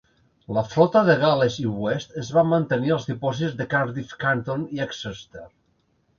La flota de Gal·les i West es va mantenir als dipòsits de Cardiff Canton i Exeter.